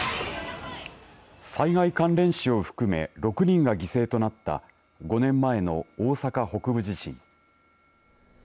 災害関連死を含め６人が犠牲となった５年前の大阪北部地震。